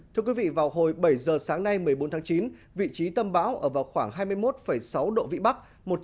thưa quý vị vào hồi bảy giờ sáng nay một mươi bốn tháng chín vị trí tâm bão ở vào khoảng hai mươi một sáu độ vĩ bắc